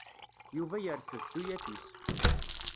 Yuba yerfed tuyat-is.